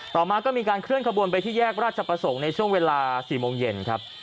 ต่อมาก็มีการเคลื่อนขบวนไปที่แยกราชประสงค์ในช่วงเวลา๔โมงเย็นครับ